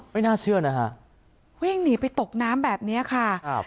ไม่น่าเชื่อนะฮะวิ่งหนีไปตกน้ำแบบนี้ค่ะครับ